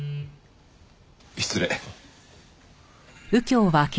失礼。